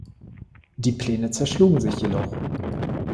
Die Pläne zerschlugen sich jedoch.